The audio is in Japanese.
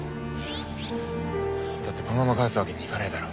だってこのまま帰すわけにいかねえだろ。